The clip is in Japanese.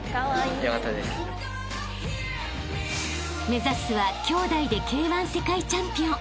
［目指すはきょうだいでＫ−１世界チャンピオン］